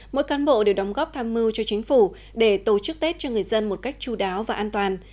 mỗi cán bộ đều đóng góp tham mưu cho chính phủ để tổ chức tết cho người dân một cách chú đáo và an toàn